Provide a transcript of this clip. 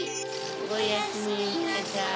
おやすみなさい。